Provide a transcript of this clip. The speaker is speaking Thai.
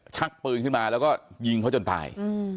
ชักปืนขึ้นมาแล้วก็ยิงเขาจนตาย